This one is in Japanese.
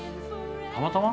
たまたま？